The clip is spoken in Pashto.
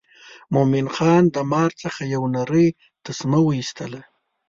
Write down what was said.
مومن خان د مار څخه یو نرۍ تسمه وایستله.